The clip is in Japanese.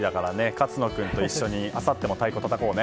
勝野君と一緒にあさっても太鼓たたこうね。